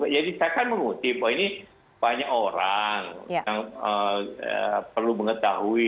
jadi saya akan mengutip ini banyak orang yang perlu mengetahui